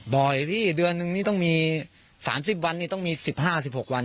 บ่อยขนาดไหนเดือนนึงก็มีสิบห้าสิบหกวัน